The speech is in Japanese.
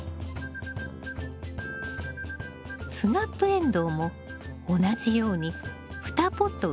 スナップエンドウも同じように２ポット植えるのよ。